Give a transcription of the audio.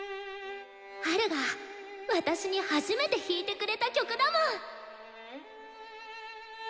ハルが私に初めて弾いてくれた曲だもん！